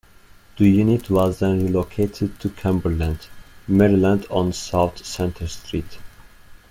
The unit was then relocated to Cumberland, Maryland on South Centre Street.